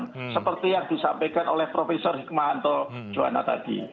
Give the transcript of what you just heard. seperti yang disampaikan oleh prof hikmahanto juwana tadi